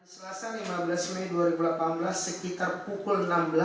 selasa lima belas mei dua ribu delapan belas sekitar pukul enam belas